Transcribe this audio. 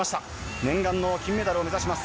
念願の金メダルを目指します。